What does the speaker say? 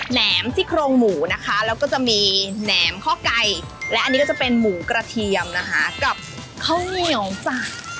แหมซี่โครงหมูนะคะแล้วก็จะมีแหนมข้อไก่และอันนี้ก็จะเป็นหมูกระเทียมนะคะกับข้าวเหนียวจ้ะ